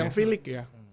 yang v lig ya